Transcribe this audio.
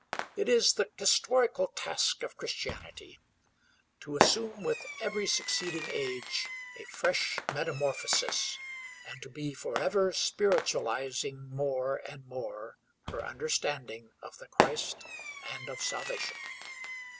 It is the historical task of Christianity to assume with every succeeding age a fresh metamorphosis, and to be forever spiritualizing more and more her understanding of the Christ and of salvation.